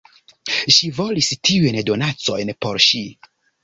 Ŝi volis tiujn donacojn por si.